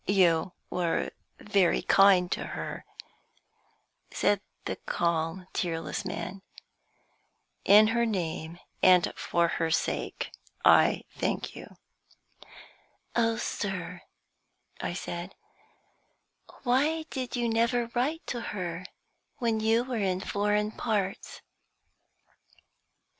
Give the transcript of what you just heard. "You were very kind to her," said the calm, tearless man. "In her name and for her sake, I thank you." "Oh, sir," I said, "why did you never write to her when you were in foreign parts?"